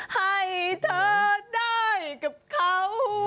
ให้เธอได้กับเขา